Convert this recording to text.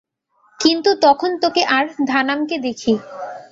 কিন্তু তখন তোকে আর ধানামকে দেখি।